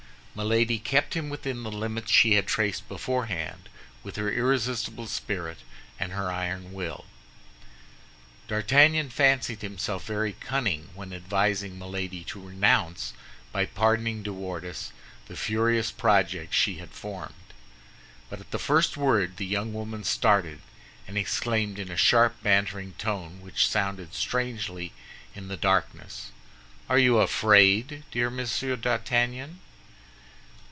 Milady kept him within the limits she had traced beforehand with her irresistible spirit and her iron will. D'Artagnan fancied himself very cunning when advising Milady to renounce, by pardoning De Wardes, the furious projects she had formed. But at the first word the young woman started, and exclaimed in a sharp, bantering tone, which sounded strangely in the darkness, "Are you afraid, dear Monsieur d'Artagnan?"